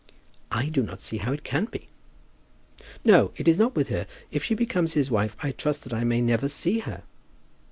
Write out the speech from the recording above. "I do not see how it can be." "No; it is not with her. If she becomes his wife I trust that I may never see her."